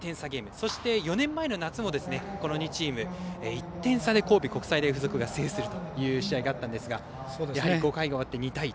そして４年前の夏もこの２チーム１点差で神戸国際大付属が制するという試合があったんですがやはり５回が終わって２対１。